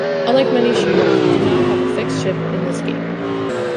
Unlike many shooters, you do not have a fixed ship in this game.